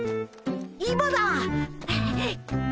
今だ！